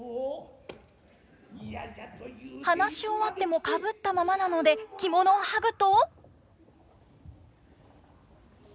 話し終わってもかぶったままなので着物をはぐと。